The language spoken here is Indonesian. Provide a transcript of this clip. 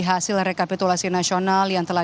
hasil rekapitulasi nasional yang telah